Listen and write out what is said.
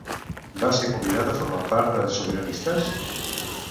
Va ser convidat a formar part de Sobiranistes?